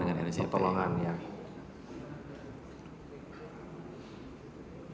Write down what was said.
dengan energi api